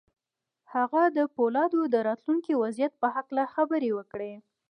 هغه د پولادو د راتلونکي وضعیت په هکله خبرې وکړې